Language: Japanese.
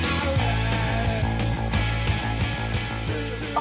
あ！